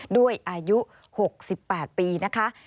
ด้วยอายุ๖๘ปีนะคะ